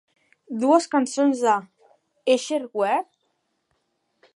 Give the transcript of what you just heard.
Dues cançons de "Hesher" - "Where?